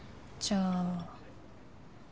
じゃあ。